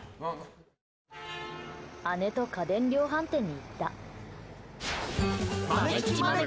姉と家電量販店に行った。